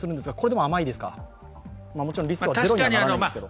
もちろんリスクはゼロにならないですけど。